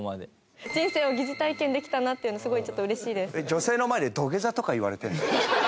女性の前で土下座とか言われてるんだよ。